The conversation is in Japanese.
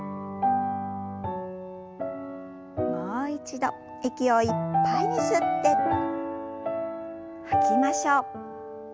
もう一度息をいっぱいに吸って吐きましょう。